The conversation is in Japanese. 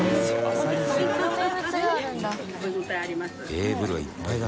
テーブルがいっぱいだ。